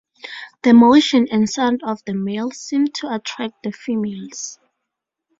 The motion and sound of the males seem to attract the females.